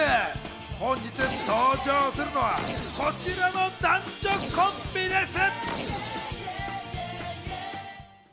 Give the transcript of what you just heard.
本日登場するのは、こちらの男女コンビです。